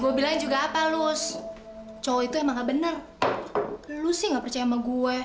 gue bilang juga apa lus cowok itu emang gak bener lu sih gak percaya sama gue